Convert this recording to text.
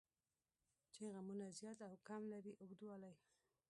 چې غمونه زیات او کم لري اوږدوالی.